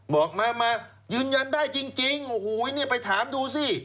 บอกมามายืนยันได้จริงโอ้โหเนี่ยไปถามดูสิ